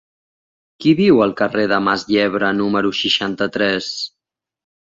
Qui viu al carrer de Mas Yebra número seixanta-tres?